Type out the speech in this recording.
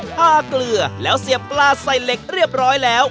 เกลือแล้วเสียบปลาใส่เหล็กเรียบร้อยแล้ว